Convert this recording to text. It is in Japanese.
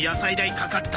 かかった！